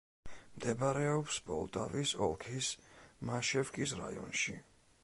მდებარეობს პოლტავის ოლქის მაშევკის რაიონში.